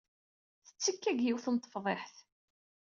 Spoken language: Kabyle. Tettekka deg yiwet n tefḍiḥt.